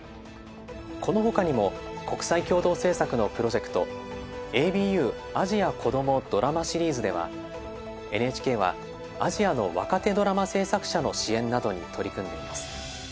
この他にも国際共同制作のプロジェクト「ＡＢＵアジアこどもドラマシリーズ」ではＮＨＫはアジアの若手ドラマ制作者の支援などに取り組んでいます。